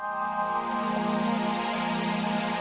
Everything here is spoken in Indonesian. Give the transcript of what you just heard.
jangan lupa like share dan subscribe